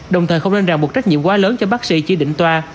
đồng thời không nên ràng một trách nhiệm quá lớn cho bác sĩ chỉ định toa